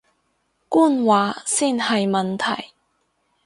官話先係問題